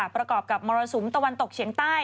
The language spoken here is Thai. ประกอบกับมรสุมตะวันตกเฉียงใต้